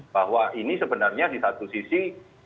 bahwa ini sebenarnya di satu sisi